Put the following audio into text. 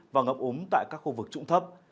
và ngập úm tại các khu vực trụng thấp